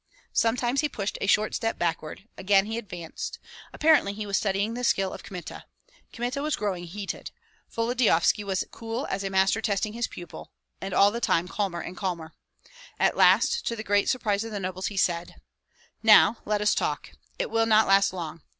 Sometimes he pushed a short step backward, again he advanced; apparently he was studying the skill of Kmita. Kmita was growing heated; Volodyovski was cool as a master testing his pupil, and all the time calmer and calmer. At last, to the great surprise of the nobles, he said, "Now let us talk; it will not last long.